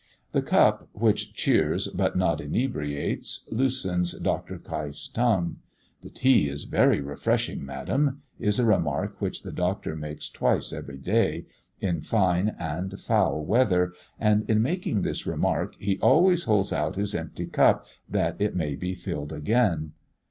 The cup, which "cheers but not inebriates," loosens Dr. Keif's tongue. "The tea is very refreshing, Madam," is a remark which the Doctor makes twice every day, in fine and foul weather; and, in making this remark, he always holds out his empty cup that it may be filled again.